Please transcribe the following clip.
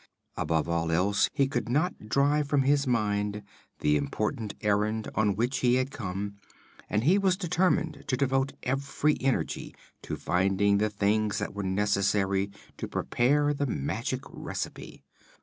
Above all else, he could not drive from his mind the important errand on which he had come, and he was determined to devote every energy to finding the things that were necessary to prepare the magic recipe.